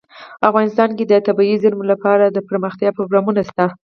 افغانستان کې د طبیعي زیرمې لپاره دپرمختیا پروګرامونه شته.